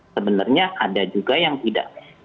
sebenarnya ada juga yang tidak